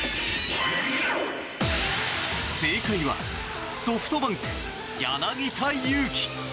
正解はソフトバンク、柳田悠岐。